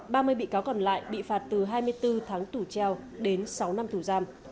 ba mươi bị cáo còn lại bị phạt từ hai mươi bốn tháng tù treo đến sáu năm tù giam